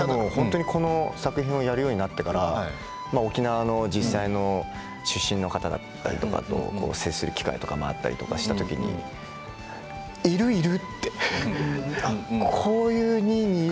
この作品をやるようになってから沖縄の実際の出身の方だったりとかと接する機会があったりしたときにいる、いる！